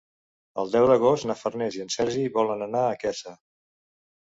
El deu d'agost na Farners i en Sergi volen anar a Quesa.